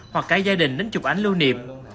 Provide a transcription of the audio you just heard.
hoặc cả gia đình đến chụp ảnh lưu niệm